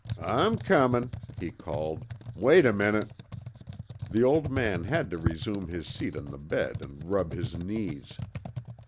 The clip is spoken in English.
"I'm comin'," he called, "wait a minute." The old man had to resume his seat on the bed and rub his knees.